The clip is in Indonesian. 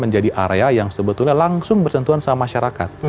jadi area yang sebetulnya langsung bersentuhan sama masyarakat